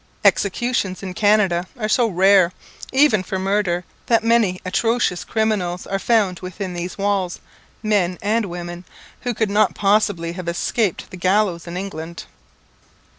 Executions in Canada are so rare, even for murder, that many atrocious criminals are found within these walls men and women who could not possibly have escaped the gallows in England.